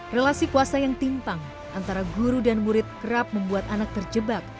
relasi kuasa yang timpang antara guru dan murid kerap membuat anak terjebak